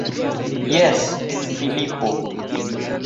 Jes, Filipo.